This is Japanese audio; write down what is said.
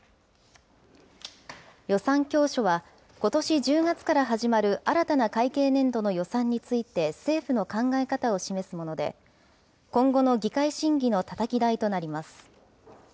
予算教書は、ことし１０月から始まる新たな会計年度の予算について政府の考え方を示すもので、今後の議会審議のたたき台となります。